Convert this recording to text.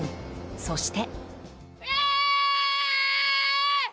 そして。